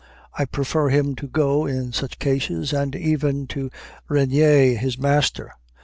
I prefer him to Got in such cases, and even to Regnier, his master.